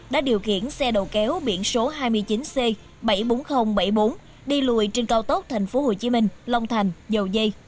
đã điều khiển xe đầu kéo biển số hai mươi chín c bảy mươi bốn nghìn bảy mươi bốn đi lùi trên cao tốc tp hcm long thành dầu dây